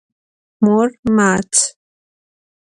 Mor mat.